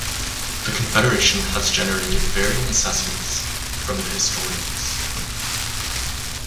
The Confederation has generated varying assessments from the historians.